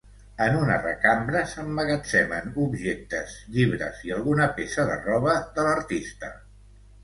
En una recambra s'emmagatzemen objectes, llibres i alguna peça de roba de l'artista.